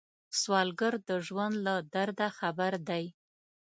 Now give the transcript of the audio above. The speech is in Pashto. سوالګر د ژوند له درده خبر دی